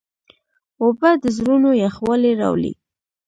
اوبه د زړونو یخوالی راولي.